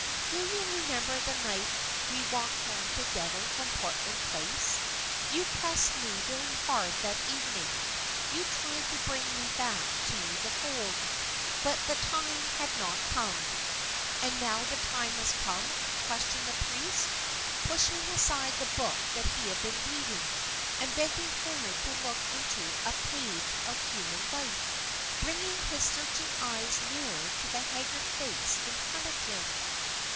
Do you remember the night we walked home together from Portland Place? You pressed me very hard that evening. You tried to bring me back to the fold but the time had not come." "And now the time has come?" questioned the priest, pushing aside the book that he had been reading, and bending forward to look into a page of human life, bringing his searching eyes nearer to the haggard face in front of him.